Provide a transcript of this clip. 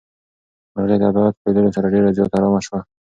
مرغۍ د عدالت په لیدلو سره ډېره زیاته ارامه شوه.